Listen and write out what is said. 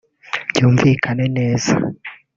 “Byumvikane neza